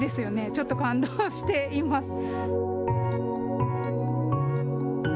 ちょっと感動しています。